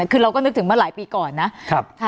คือเราก็นึกถึงมาหลายปีก่อนนะ